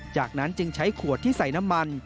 จากนั้นจึงใช้ขวดที่ใส่น้ำมัน